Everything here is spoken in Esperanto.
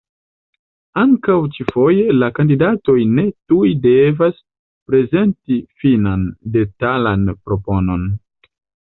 Ankaŭ ĉi-foje la kandidatoj ne tuj devas prezenti finan, detalan proponon.